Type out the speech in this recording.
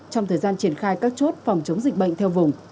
trong thời gian triển khai các chốt phòng chống dịch bệnh theo vùng